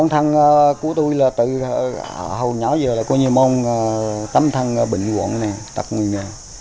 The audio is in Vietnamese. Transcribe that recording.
hầu nhỏ giờ là tấm thăng bệnh quận tập người nghề